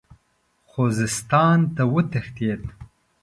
خوزستان ته وتښتېد.